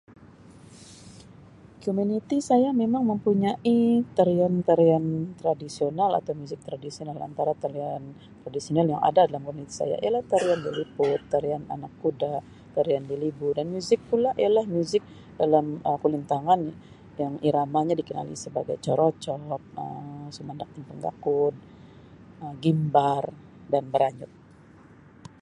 Komuniti saya memang mempunyai tarian-tarian tradisional atau muzik tradisional. Antara tarian tradisional yang ada dalam komuniti saya ialah tarian liliput, tarian anak kuda, tarian lilibu, dan muzik pula ialah muzik dalam kulintangan yang iramanya dikenali sebagai cerocot, Um sumandak timpang gakud, Um gimbar dan beranyut.